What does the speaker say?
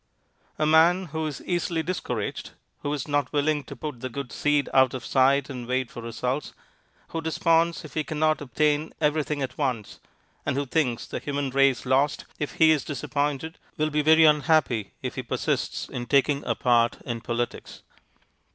A man who is easily discouraged, who is not willing to put the good seed out of sight and wait for results, who desponds if he cannot obtain everything at once, and who thinks the human race lost if he is disappointed, will be very unhappy if he persists in taking a part in politics.